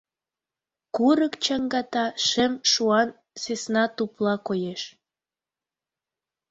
Курык чаҥгата шем шуан сӧсна тупла коеш.